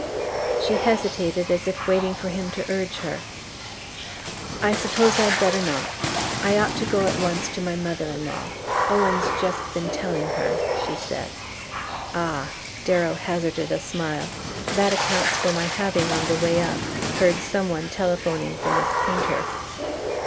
She hesitated, as if waiting for him to urge her. "I suppose I'd better not. I ought to go at once to my mother in law Owen's just been telling her," she said. "Ah." Darrow hazarded a smile. "That accounts for my having, on my way up, heard some one telephoning for Miss Painter!"